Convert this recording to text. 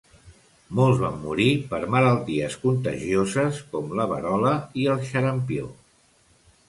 Molts van morir per malalties contagioses com la verola i el xarampió.